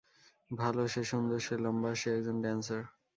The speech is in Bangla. ভাল, সে সুন্দর, সে লম্বা আর সে একজন ড্যান্সার।